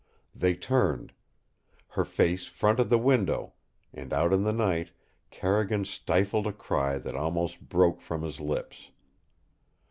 They turned. Her face fronted the window, and out in the night Carrigan stifled a cry that almost broke from his lips.